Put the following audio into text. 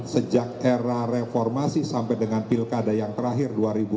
sejak era reformasi sampai dengan pilkada yang terakhir dua ribu dua puluh